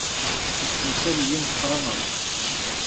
Deg temsal n yimeqqranen.